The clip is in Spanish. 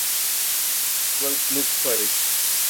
Fútbol Club Juárez